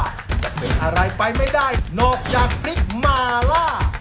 จะเป็นอะไรไปไม่ได้นอกจากพริกมาล่า